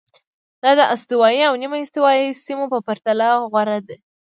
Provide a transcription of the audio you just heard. دا د استوایي او نیمه استوایي سیمو په پرتله غوره دي.